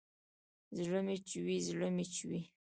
زړه مې چوي ، زړه مې چوي